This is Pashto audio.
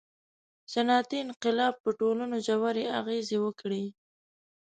• صنعتي انقلاب په ټولنو ژورې اغېزې وکړې.